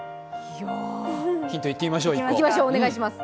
ヒントいってみましょう。